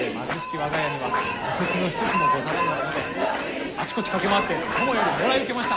我が家には具足の一つもござらぬものであちこち駆け回って友よりもらい受けました。